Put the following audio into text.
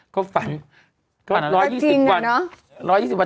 ก็ฝันก็๑๒๐วัน